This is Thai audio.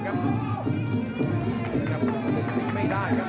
พยายามมดรูปถึงไม่ได้ครับ